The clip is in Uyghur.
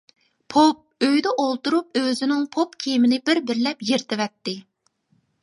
پوپ ئۆيدە ئولتۇرۇپ ئۆزىنىڭ پوپ كىيىمىنى بىر-بىرلەپ يىرتىۋەتتى.